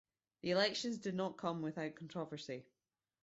The elections did not come without controversy.